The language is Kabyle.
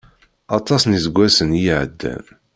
Aṭas n iseggasen i ɛeddan.